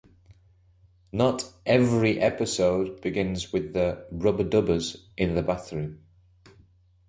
Not "every" episode begins with the Rubbadubbers in the bathroom.